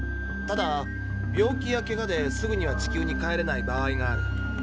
ただ病気やケガですぐには地球に帰れない場合がある。